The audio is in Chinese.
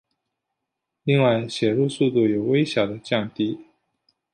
另外写入速度有微小的降低。